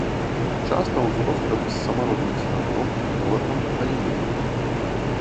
Часта ў зростках з самародным серабром, золатам, галенітам.